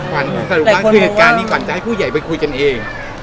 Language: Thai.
ควันสรุปบ้างคือการที่ควันจะให้ผู้ใหญ่ไปคุยกันเอง